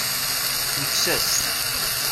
Yekkes-as-t.